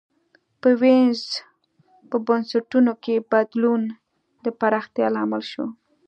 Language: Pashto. په وینز په بنسټونو کې بدلون د پراختیا لامل شو.